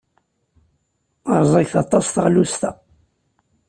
Rẓaget aṭas teɣlust-a.